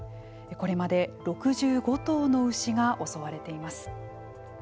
これまで６５頭の牛が襲われています。